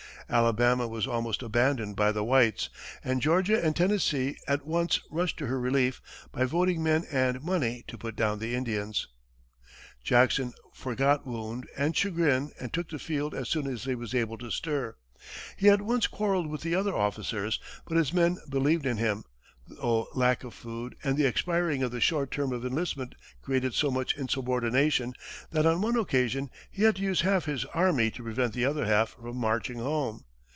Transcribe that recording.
Alabama was almost abandoned by the whites, and Georgia and Tennessee at once rushed to her relief by voting men and money to put down the Indians. Jackson forgot wound and chagrin and took the field as soon as he was able to stir. He at once quarrelled with the other officers; but his men believed in him, though lack of food and the expiring of the short term of enlistment created so much insubordination that, on one occasion, he had to use half his army to prevent the other half from marching home.